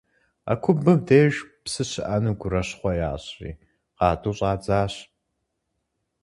А кумбым деж псы щыӏэну гурыщхъуэ ящӏри къатӏу щӏадзащ.